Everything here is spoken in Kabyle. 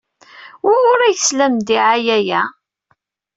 Wuɣur ay teslam ddiɛaya-a?